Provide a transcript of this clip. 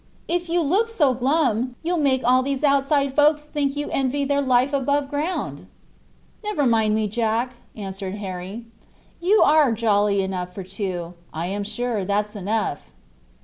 If you look so glum, you'll make all these outside folks think you envy their life above ground." "Never mind me, Jack," answered Harry. "You are jolly enough for two, I'm sure; that's enough."